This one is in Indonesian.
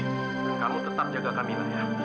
dan kamu tetap jaga kamila ya